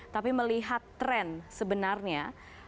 tapi melihat tren sebenarnya